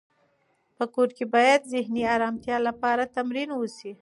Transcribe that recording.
په کور کې باید د ذهني ارامتیا لپاره تمرین وشي.